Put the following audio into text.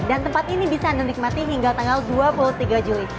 dan tempat ini bisa anda nikmati hingga tanggal dua puluh tiga juli